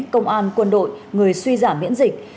công an quân đội người suy giảm miễn dịch